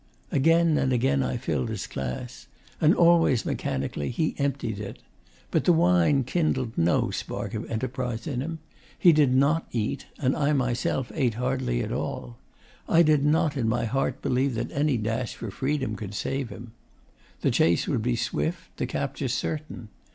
Again and again I filled his glass, and always, mechanically, he emptied it; but the wine kindled no spark of enterprise in him. He did not eat, and I myself ate hardly at all. I did not in my heart believe that any dash for freedom could save him. The chase would be swift, the capture certain.